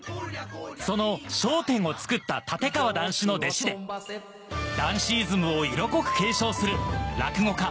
その『笑点』を作った立川談志の弟子で談志イズムを色濃く継承する落語家